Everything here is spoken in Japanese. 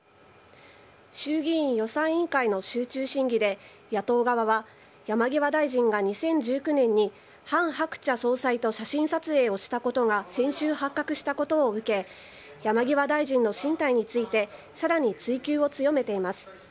衆議院予算委員会の集中審議で、野党側は山際大臣が２０１９年にハン・ハクチャ総裁と写真撮影をしたことが先週発覚したことを受け、山際大臣の進退について、さらに追及を強めています。